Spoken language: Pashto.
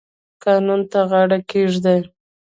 قانون ته غاړه کیږدئ